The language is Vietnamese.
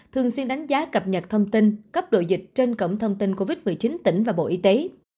thường xuyên đánh giá cập nhật thông tin cấp độ dịch trên cổng thông tin covid một mươi chín tỉnh và bộ y tế